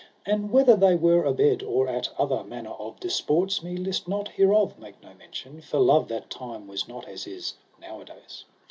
And whether they were abed or at other manner of disports, me list not hereof make no mention, for love that time was not as is now a days.